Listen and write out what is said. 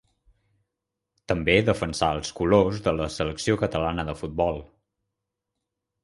També defensà els colors de la selecció catalana de futbol.